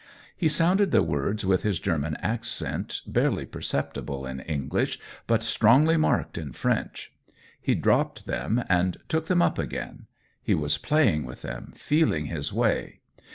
He sounded the words with his German accent, barely perceptible in English, but strongly marked in French. He dropped them and took them up again ; he was playing with them, feeling his way.